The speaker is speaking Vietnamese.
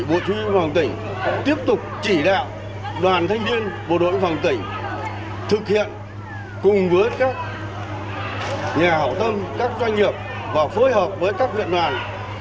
bộ chỉ huy quân tỉnh tiếp tục chỉ đạo đoàn thanh niên bộ đội biên phòng tỉnh thực hiện cùng với các nhà hảo tâm các doanh nghiệp và phối hợp với các huyện đoàn